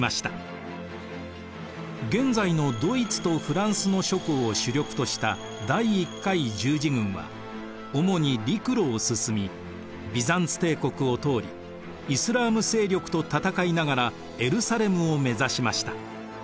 現在のドイツとフランスの諸侯を主力とした第１回十字軍は主に陸路を進みビザンツ帝国を通りイスラーム勢力と戦いながらエルサレムを目指しました。